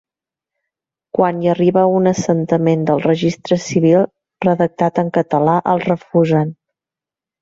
Quan hi arriba un assentament del registre civil redactat en català el refusen.